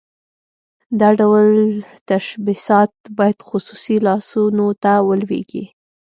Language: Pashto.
دا ډول تشبثات باید خصوصي لاسونو ته ولویږي.